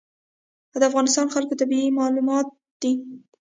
د افغانستان خلکو طبیعت معلوم دی.